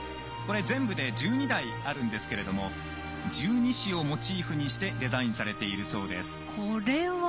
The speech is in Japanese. これ全部で１２台あるんですが十二支をモチーフにしてデザインされているそうです。